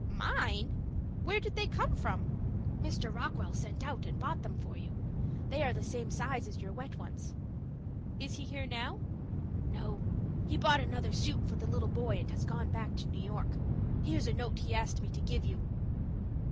"Mine! Where did they come from?" "Mr. Rockwell sent out and bought them for you. They are the same size as your wet ones." "Is he here now?" "No. He bought another suit for the little boy, and has gone back to New York. Here's a note he asked me to give you."